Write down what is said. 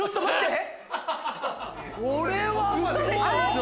これはすごいぞ。